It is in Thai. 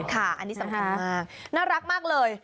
ค่ะอันนี้สำคัญมากน่ารักมากเลย